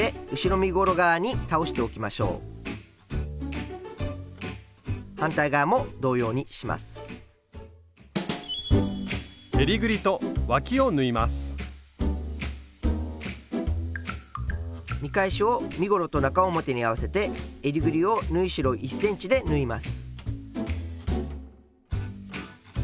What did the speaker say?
見返しを身ごろと中表に合わせてえりぐりを縫い代１ｃｍで縫います。